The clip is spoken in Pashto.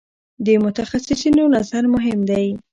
د متخصصینو نظر مهم دی.